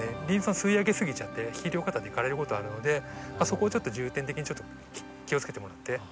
リン酸吸い上げすぎちゃって肥料過多で枯れることあるのでそこをちょっと重点的に気をつけてもらって。